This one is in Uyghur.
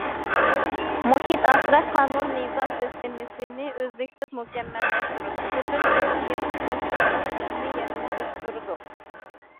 مۇھىت ئاسراش قانۇن- نىزام سىستېمىسىنى ئۈزلۈكسىز مۇكەممەللەشتۈردۇق، پۈتۈن جەمئىيەتنىڭ مۇھىت ئاسراش ئېڭىنى يەنىمۇ ئۆستۈردۇق.